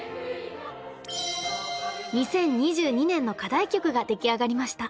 ２０２２年の課題曲が出来上がりました。